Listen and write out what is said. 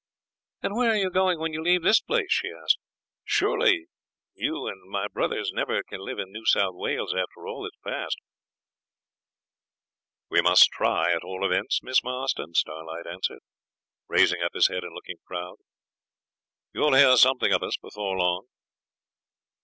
'And where are you going when you leave this place?' she asked. 'Surely you and my brothers never can live in New South Wales after all that has passed.' 'We must try, at all events, Miss Marston,' Starlight answered, raising up his head and looking proud. 'You will hear something of us before long.'